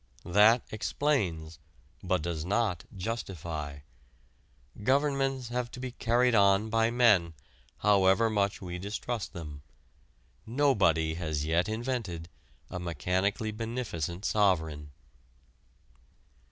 That explains, but does not justify. Governments have to be carried on by men, however much we distrust them. Nobody has yet invented a mechanically beneficent sovereign.